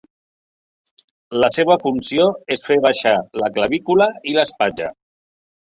La seva funció és fer baixar la clavícula i l'espatlla.